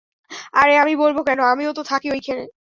আরে আমি বলবো কেন, আমিও তো থাকি ঐখানে।